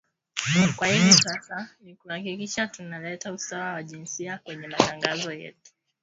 kwa hivi sasa ni kuhakikisha tuna leta usawa wa jinsia kwenye matangazo yetu